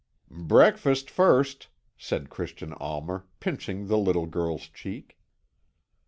"Breakfast first," said Christian Almer, pinching the little girl's cheek.